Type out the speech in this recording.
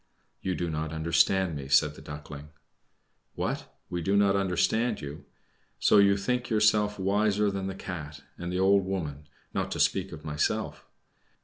"You do not understand me," said the Duckling. "What! we do not understand you? So you think yourself wiser than the Cat and the old woman, not to speak of myself?